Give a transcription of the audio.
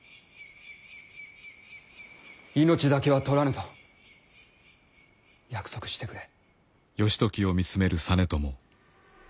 命だけは取らぬと約束してくれ。